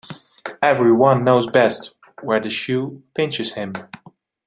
Every one knows best where the shoe pinches him.